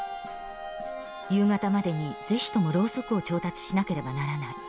夕方までに是非ともろうそくを調達しなければならない。